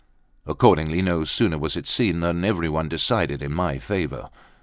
Accordingly, no sooner was it seen, than every one decided in my favour.